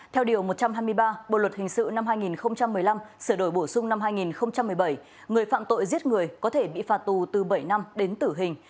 theo điều một trăm hai mươi ba bộ luật hình sự năm hai nghìn một mươi năm sửa đổi bổ sung năm hai nghìn một mươi bảy người phạm tội giết người có thể bị phạt tù từ bảy năm đến tử hình